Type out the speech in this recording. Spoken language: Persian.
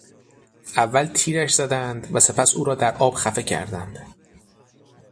اول تیرش زدند و سپس او را در آب خفه کردند.